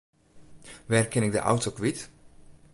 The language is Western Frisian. Wêr kin ik de auto kwyt?